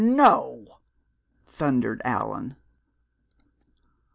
"No!" thundered Allan.